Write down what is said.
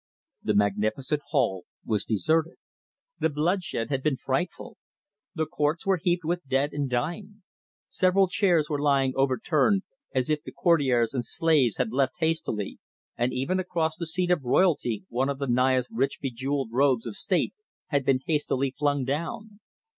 The magnificent hall was deserted. The bloodshed had been frightful. The courts were heaped with dead and dying. Several chairs were lying overturned, as if the courtiers and slaves had left hastily, and even across the seat of royalty one of the Naya's rich bejewelled robes of state had been hastily flung down.